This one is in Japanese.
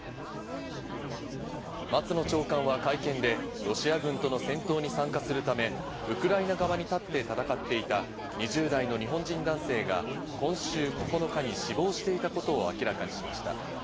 松野長官は会見で、ロシア軍との戦闘に参加するため、ウクライナ側に立って戦っていた２０代の日本人男性が今週９日に死亡していたことを明らかにしました。